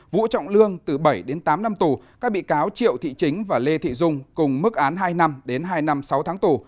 vũ trọng lương từ bảy đến tám năm tù các bị cáo triệu thị chính và lê thị dung cùng mức án hai năm đến hai năm sáu tháng tù